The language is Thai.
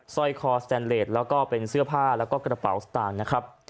สร้อยคอสแตนเลสแล้วก็เป็นเสื้อผ้าแล้วก็กระเป๋าสตางค์นะครับ